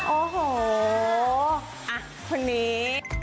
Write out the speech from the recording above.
โอ้โหคนนี้